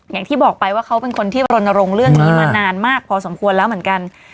อย่างที่บอกไปว่าเขาเป็นคนที่รณรงค์เรื่องนี้มานานมากพอสมควรแล้วเหมือนกัน